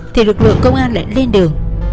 thì lực lượng công an lại lên đường